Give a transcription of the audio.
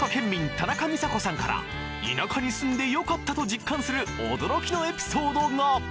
田中美佐子さんから田舎に住んでよかったと実感する驚きのエピソードが！